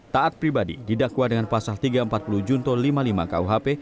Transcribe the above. taat pribadi didakwa dengan pasal tiga ratus empat puluh junto lima puluh lima kuhp